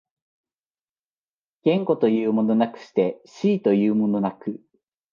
言語というものなくして思惟というものなく、